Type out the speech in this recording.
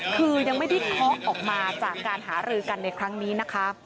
คือยังไม่ได้เคาะออกมาจากการหารือกันในครั้งนี้นะคะ